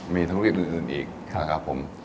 มีธุรกิจอื่นอีกครับครับผม